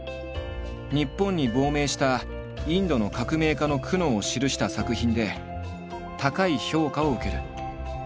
日本に亡命したインドの革命家の苦悩を記した作品で高い評価を受ける。